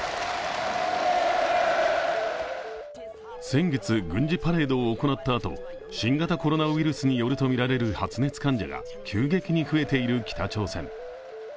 先月、軍事パレードを行ったあと新型コロナウイルスによるとみられる発熱患者が急激に増えている北朝鮮。